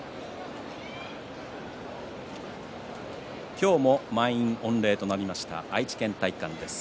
今日も満員御礼となりました愛知県体育館です。